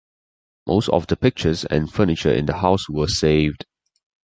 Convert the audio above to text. Most of the pictures and furniture in the house were saved.